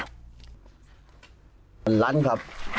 มันล้านครับ